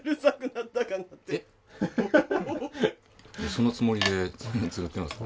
そのつもりで作っています。